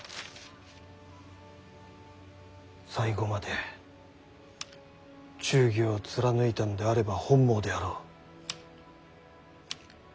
最後まで忠義を貫いたのであれば本望であろう。